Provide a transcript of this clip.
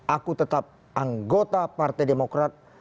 aku tetap anggota partai demokrat